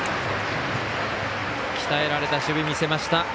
鍛えられた守備、見せました。